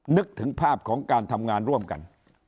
นึกถึงภาพของการทำงานร่วมกัน